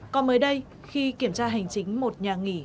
còn mới đây khi kiểm tra hành chính một nhà nghỉ